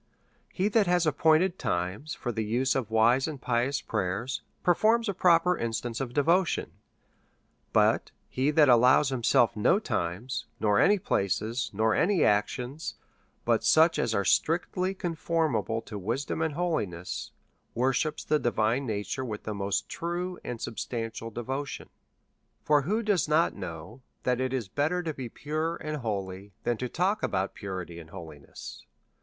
He that has appointed times for the use of wise and pious prayers, performs a proper instance of devotion ; but he that allows himself no times, nor any places, nor any actions, but such as are strictly conformable to wisdom and holiness, worships the divine nature with the most true and substantial devotion. For who does not know that it is better to be pure and holy than to talk about purity and holiness?